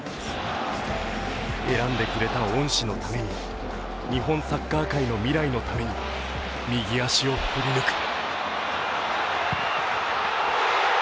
選んでくれた恩師のために日本サッカー界の未来のために右足を振り抜く。